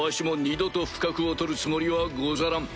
二度と不覚を取るつもりはござらん。